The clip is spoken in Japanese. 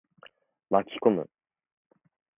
巻き込む。